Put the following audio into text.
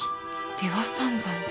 出羽三山で。